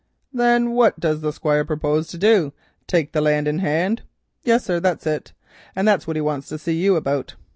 "Then what does the Squire propose to do—take the land in hand?" "Yes, sir, that's it; and that's what he wants to see you about."